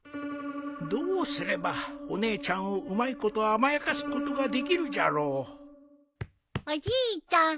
どうすればお姉ちゃんをうまいこと甘やかすことができるじゃろうおじいちゃん